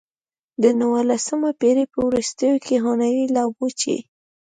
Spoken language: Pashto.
د نولسمې پېړۍ په وروستیو کې هنري لابوچي.